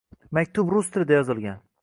Maktub rus tilida yozilgan